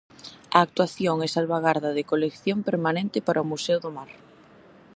A actuación e salvagarda de colección permanente para o Museo do Mar.